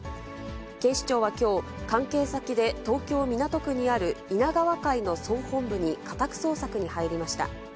警視庁はきょう、関係先で東京・港区にある稲川会の総本部に家宅捜索に入りました。